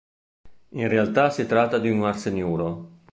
In realtà si tratta di un arseniuro.